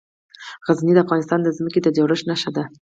غزني د افغانستان د ځمکې د جوړښت نښه ده.